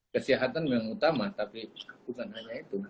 kesehatan memang utama tapi bukan hanya itu